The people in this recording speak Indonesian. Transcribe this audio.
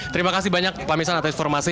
terima kasih banyak pak misan atas informasi